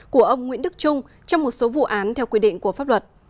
của ông nguyễn đức trung trong một số vụ án theo quy định của pháp luật